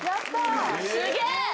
すげえ。